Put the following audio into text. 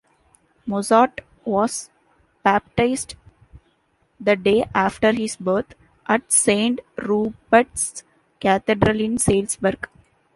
Mozart was baptized the day after his birth, at Saint Rupert's Cathedral in Salzburg.